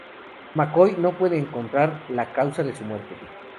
McCoy no puede encontrar la causa de su muerte.